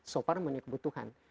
sopar memenuhi kebutuhan